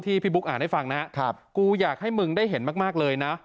พี่บุ๊คอ่านให้ฟังนะครับกูอยากให้มึงได้เห็นมากเลยนะ